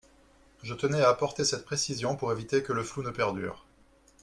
Je tenais à apporter cette précision pour éviter que le flou ne perdure.